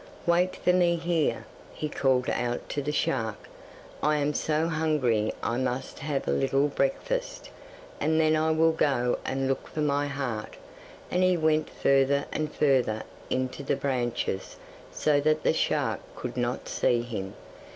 'Wait for me here,' he called out to the shark. 'I am so hungry I must have a little breakfast, and then I will go and look for my heart,' and he went further and further into the branches so that the shark could not see him.